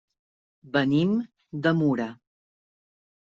Venim de Mura.